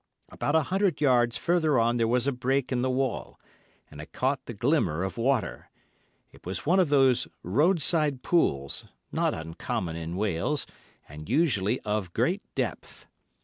About a hundred yards further on there was a break in the wall, and I caught the glimmer of water. It was one of those roadside pools, not uncommon in Wales, and usually of great depth.